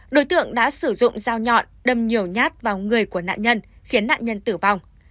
đối tượng đã sử dụng dao nhọn đâm nhiều nhát vào người của nạn nhân khiến nạn nhân tử vong